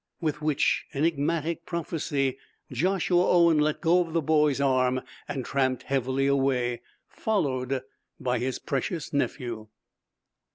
With which enigmatic prophecy Joshua Owen let go of the boy's arm, and tramped heavily away, followed by his precious nephew.